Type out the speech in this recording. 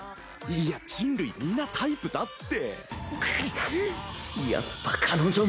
いや人類皆タイプだって。